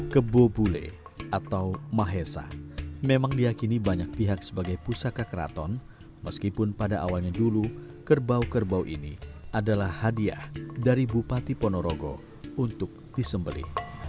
kebobule atau mahesa memang diakini banyak pihak sebagai pusaka keraton meskipun pada awalnya dulu kerbau kerbau ini adalah hadiah dari bupati ponorogo untuk disembeli